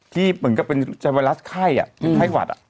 ที่เหมือนกับเป็นวิลัสไข้อะไข้หวัดอะ